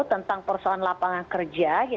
tentang persoalan lapangan kerja